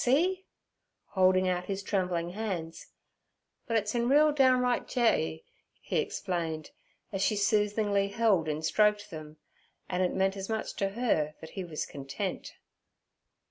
See'—holding out his trembling hands—'but it's in real downright j'y' he explained, as she soothingly held and stroked them, and it meant as much to her that he was content.